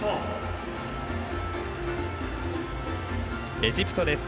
エジプトです。